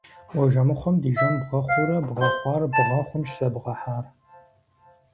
Уэ жэмыхъуэм ди жэм бгъэхъуурэ, бгъэхъуар бгъэ хъунщ зэбгъэхьар!